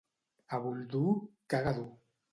A Boldú, caga dur.